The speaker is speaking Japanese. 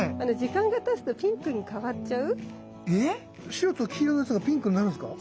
白と黄色のやつがピンクになるんですか？